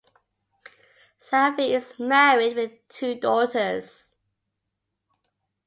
Salvi is married with two daughters.